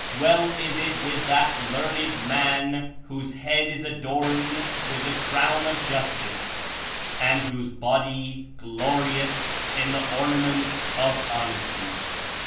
Well Is It with that learned man whose head Is adorned with the crown of justice and whose body glorleth In the ornament of honesty."